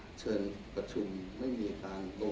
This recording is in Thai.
ผมนึกว่าประชาธิบัติไม่ชอบมาตรา๔๔ยังไงนะครับ